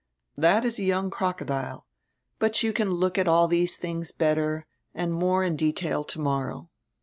"That is a young crocodile. But you can look at all these tilings better and more in detail tomorrow.